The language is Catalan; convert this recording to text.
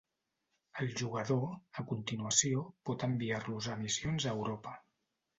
El jugador, a continuació, pot enviar-los a missions a Europa.